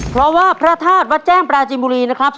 เพราะว่าพระธาตุวัดแจ้งปราจินบุรีนะครับ